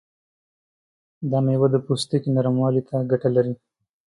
دا میوه د پوستکي نرموالي ته ګټه لري.